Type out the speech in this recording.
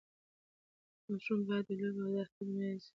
ماشوم باید د لوبو او درس ترمنځ توازن زده کړي.